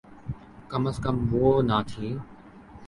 کم از کم وہ نہ تھی۔